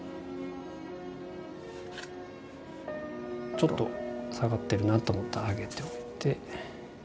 ちょっと下がってるなと思ったら上げておいて。